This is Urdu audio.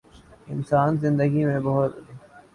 انسان زندگی میں بہت سے لوگوں سے سیکھتا ہے۔